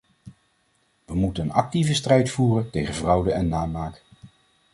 We moeten een actieve strijd voeren tegen fraude en namaak.